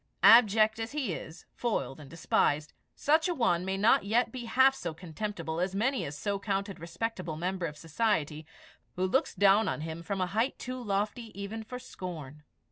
Abject as he is, foiled and despised, such a one may not yet be half so contemptible as many a so counted respectable member of society, who looks down on him from a height too lofty even for scorn.